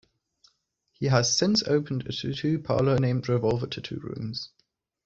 He has since opened a tattoo parlour named Revolver Tattoo Rooms.